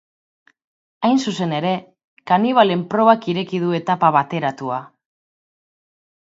Hain zuzen ere, kanibalen probak ireki du etapa bateratua.